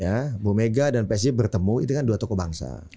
ya bumega dan psb bertemu itu kan dua tokoh bangsa